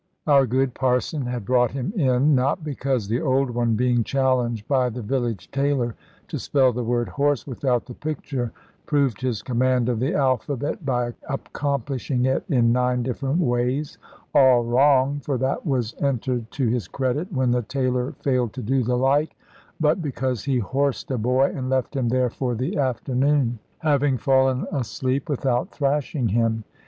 Our good parson had brought him in, not because the old one, being challenged by the village tailor to spell the word "horse" without the picture, proved his command of the alphabet by accomplishing it in nine different ways, all wrong (for that was entered to his credit, when the tailor failed to do the like), but because he horsed a boy and left him there for the afternoon, having fallen asleep without thrashing him.